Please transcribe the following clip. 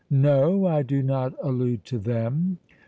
"No, I do not allude to them!"